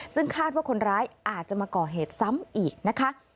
ซึ่งคาดว่าคนร้ายอาจจะมาก่อเหตุซ้ำอีกนะคะ